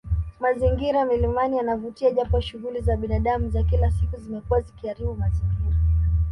Mazingira milimani yanavutia japo shughuli za binadamu za kila siku zimekuwa zikiharibu mazingira